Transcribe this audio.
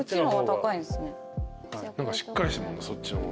何かしっかりしてるもんな